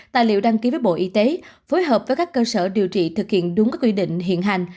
tài liệu đăng ký với bộ y tế phối hợp với các cơ sở điều trị thực hiện đúng các quy định hiện hành